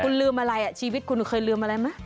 คุณลืมอะไรชีวิตคุณเคยลืมอะไรไหม